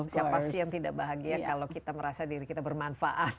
siapa sih yang tidak bahagia kalau kita merasa diri kita bermanfaat